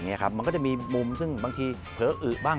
มันก็จะมีมุมซึ่งบางทีเผลออะบ้าง